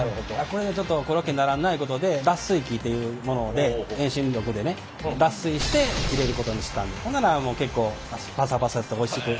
これじゃあちょっとコロッケにならんないうことで脱水機ていうもので遠心力でね脱水して入れることにしたほんならもう結構パサパサしておいしく。